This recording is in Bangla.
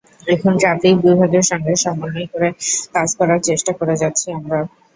এখন ট্রাফিক বিভাগের সঙ্গে সমন্বয় করে কাজ করার চেষ্টা করে যাচ্ছি আমরা।